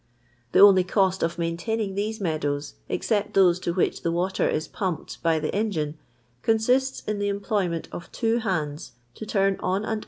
The onfy cost 'i maintaining these meadows, except those to whi.i the water is pumped by the engine, consists in the employment of two hands to turn on and u?